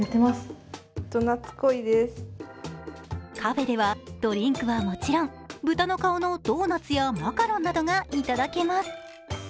カフェではドリンクはもちろん豚の顔のドーナツやマカロンなどが頂けます。